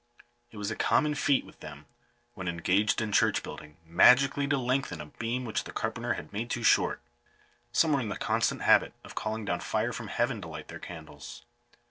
It was a common feat with them, when engaged in church building, magically to lengthen a beam which the carpenter had made too short. Some were in the constant habit of calling down fire from heaven to light their candles.